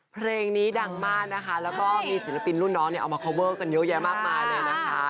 เพลงนี้ดังมากนะคะแล้วก็มีศิลปินรุ่นน้องเนี่ยเอามาคอเวอร์กันเยอะแยะมากมายเลยนะคะ